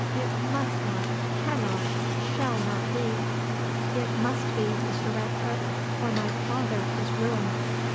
It must not cannot shall not be." "It MUST be, Mr. Ratcliff, or my father is ruined."